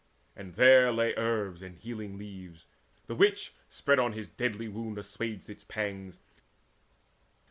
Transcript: And there lay herbs and healing leaves, the which, Spread on his deadly wound, assuaged its pangs.